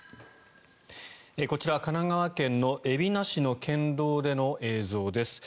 こちら、神奈川県の海老名市の県道での映像です。